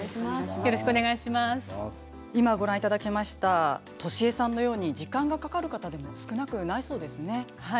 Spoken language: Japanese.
今ご覧いただきましたとしえさんのように時間がかかる方は少なくないそうですね。